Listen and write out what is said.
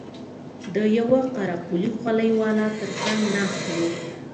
د يوه قره قلي خولۍ والا تر څنگ ناست و.